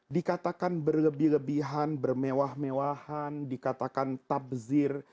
dikatakan berlebih lebihan bermewah mewahan dikatakan tabzir